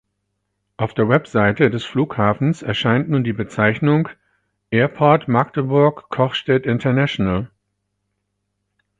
Auf der Webseite des Flughafens erscheint nun die Bezeichnung „Airport Magdeburg Cochstedt International“.